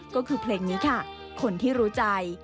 ก็คือเพลงนี้ค่ะคนที่รู้ใจ